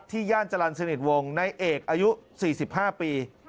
ย่านจรรย์สนิทวงในเอกอายุ๔๕ปี